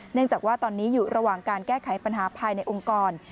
เนื่องจากว่าตอนนี้อยู่ระหว่างการแก้ไขปัญหาภายในองค์กร